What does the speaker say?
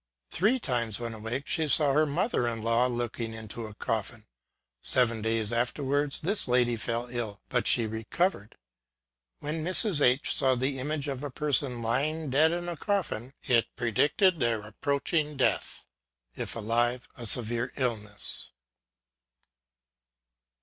Three times when awake she saw her mother in law looking into a coffin : seven days afterwards this lady fell ill, but she recovered. When Mrs. H saw the image of a person lying dead in a coffin, it predicted their approaching deaths, ŌĆö if alive, a severe illness.